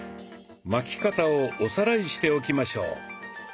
巻き方をおさらいしておきましょう。